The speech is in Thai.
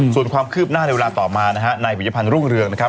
ส่วนความคืบหน้าในเวลาต่อมานะฮะนายปิยพันธ์รุ่งเรืองนะครับ